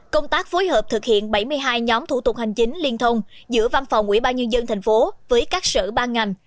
công tác phối hợp thực hiện bảy mươi hai nhóm thủ tục hành chính liên thông giữa văn phòng ubnd tp với các sở ban ngành